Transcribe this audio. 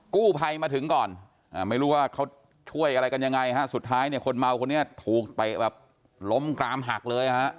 กู้ไพมาถึงก่อนไม่รู้ว่าเขาช่วยอะไรกันยังไงสุดท้ายคนเมาคนเนี่ยถูกไปล้มกรามหักเลย